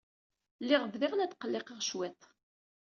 Lliɣ bdiɣ la tqelliqeɣ cwiṭ.